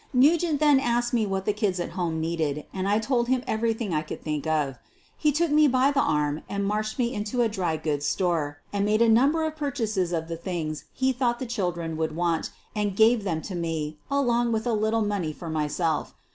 Nugent then asked me what the kids at home needed, and I told him everything I could think of. He took me by the arm and marched me into a dry goods store and made a number of purchases of the things he thought the children would want, and gave them to me, along with a little money for my self.